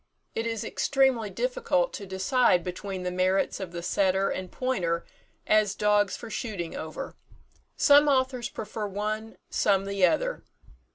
It is extremely difficult to decide between the merits of the setter and pointer as dogs for shooting over. Some authors prefer one, some the other.